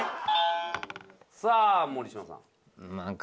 さあ森島さん。